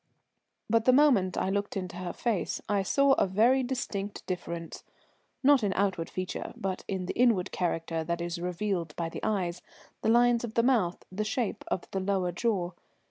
But the moment I looked into her face I saw a very distinct difference, not in outward feature, but in the inward character that is revealed by the eyes, the lines of the mouth, the shape of the lower jaw.